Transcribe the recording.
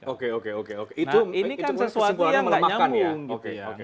nah ini kan sesuatu yang gak nyambung